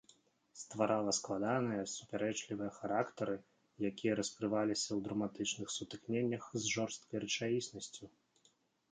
Стварала складаныя, супярэчлівыя характары, якія раскрываліся ў драматычных сутыкненнях з жорсткай рэчаіснасцю.